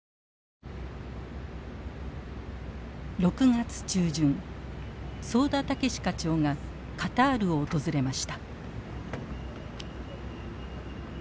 ６月中旬早田豪課長がカタールを訪れました。